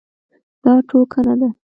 دا ټوکه نه ده.